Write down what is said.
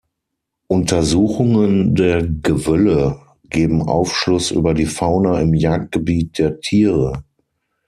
Untersuchungen der Gewölle geben Aufschluss über die Fauna im Jagdgebiet der Tiere.